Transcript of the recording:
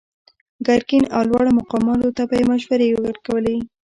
ګرګين او لوړو مقاماتو ته به يې مشورې ورکولې.